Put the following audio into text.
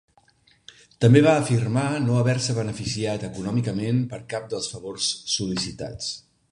També va afirmar no haver-se beneficiat econòmicament per cap dels favors sol·licitats.